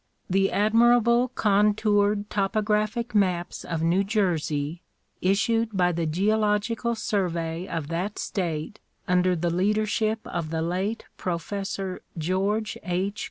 The admirable contoured topographic maps of New Jersey, issued by the Geological Survey of that state under the leadership of the late Professor George H.